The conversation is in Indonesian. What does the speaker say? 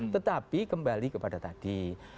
tetapi kembali kepada tadi